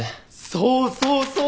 そうそうそう！